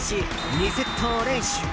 ２セットを連取。